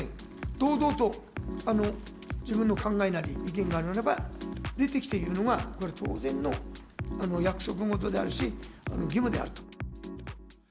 堂々と自分の考えなり意見があるならば、出てきて言うのがこれ、当然の約束事であるし、義務であると。